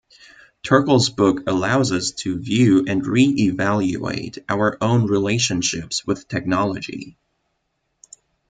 Turkle's book allows us to view and reevaluate our own relationships with technology.